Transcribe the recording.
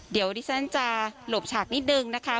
เดี๋ยวดิฉันจะหลบฉากนิดนึงนะคะ